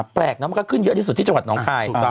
แปลกนะมันก็ขึ้นเยอะที่สุดที่จังหวัดน้องคาย